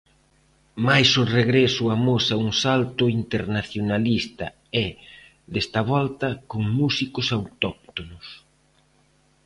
Mais o regreso amosa un salto internacionalista e, desta volta, con músicos autóctonos.